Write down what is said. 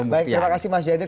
baik terima kasih mas jayadit